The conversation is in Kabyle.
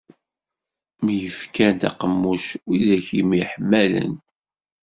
Myefkan taqemmuct widak yemḥemmalen.